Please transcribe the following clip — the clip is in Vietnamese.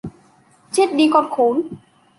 chết đi con khốn